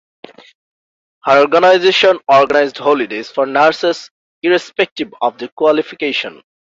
Her organisation organised holidays for nurses irrespective of their qualification.